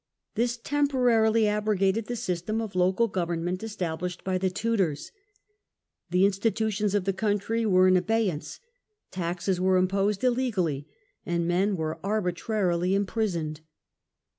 This temporarily abrogated the system of local government established by the Tudors. The institutions of the country were in abeyance, taxes were imposed illegally, and men were arbitrarily imprisoned.